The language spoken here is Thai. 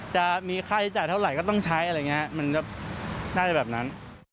จะมีค่าใช้จ่ายเท่าไหร่ก็ต้องใช้มันก็น่าจะแบบนั้น